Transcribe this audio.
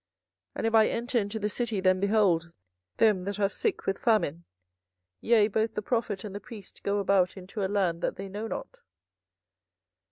and if I enter into the city, then behold them that are sick with famine! yea, both the prophet and the priest go about into a land that they know not.